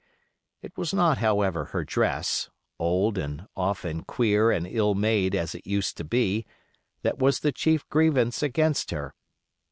It was not, however, her dress, old and often queer and ill made as it used to be, that was the chief grievance against her.